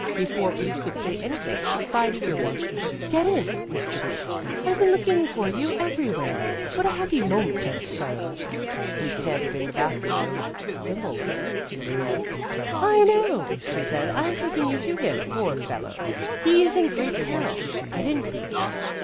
Before Bleak could say anything she cried eagerly, "Get in, Mr. Bleak! I've been looking for you everywhere. What a happy moment this is!" Bleak handed in the basket. "Quimbleton " he began. "I know," she said. "I'm taking you to him. Poor fellow, he is in great peril. Get in, please."